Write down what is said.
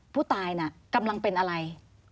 ผู้ตายน่ะกำลังเป็นอะไร